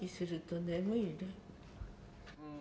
うん。